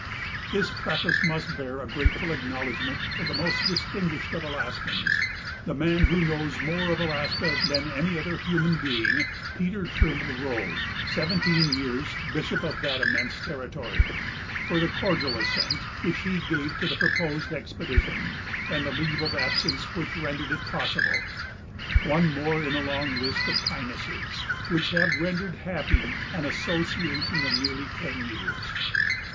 This preface must bear a grateful acknowledgment to the most distinguished of Alaskans the man who knows more of Alaska than any other human being Peter Trimble Rowe, seventeen years bishop of that immense territory, for the "cordial assent" which he gave to the proposed expedition and the leave of absence which rendered it possible one more in a long list of kindnesses which have rendered happy an association of nearly ten years.